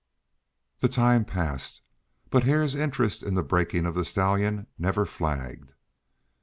The time passed, but Hare's interest in the breaking of the stallion never flagged.